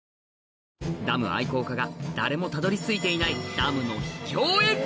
ダム愛好家が誰もたどり着いていないダムの秘境へ！